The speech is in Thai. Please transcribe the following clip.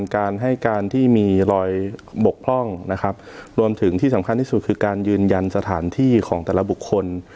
การให้การที่มีรอยบกพร่องนะครับรวมถึงที่สำคัญที่สุดคือการยืนยันสถานที่ของแต่ละบุคคล